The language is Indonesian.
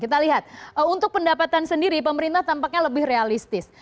kita lihat untuk pendapatan sendiri pemerintah tampaknya lebih realistis